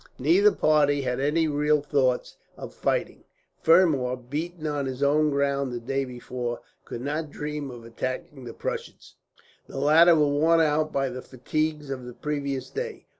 Neither party had any real thoughts of fighting. Fermor, beaten on his own ground the day before, could not dream of attacking the Prussians. The latter were worn out by the fatigues of the previous day.